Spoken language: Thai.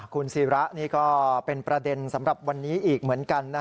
คุณศิระนี่ก็เป็นประเด็นสำหรับวันนี้อีกเหมือนกัน